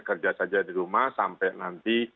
kerja saja di rumah sampai nanti